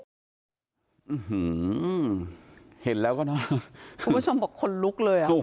เพราะว่าถ้ามันเกิดแล้วมันเกิดข้างในรอบแล้วก็หาห้องพักใหม่ก็ไม่ใช่เลี้ยงง่าย